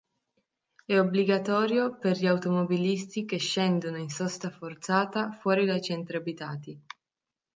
È obbligatorio per gli automobilisti che scendono in sosta forzata fuori dai centri abitati.